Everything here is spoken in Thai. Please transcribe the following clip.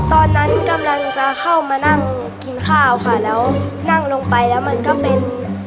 กำลังจะเข้ามานั่งกินข้าวค่ะแล้วนั่งลงไปแล้วมันก็เป็น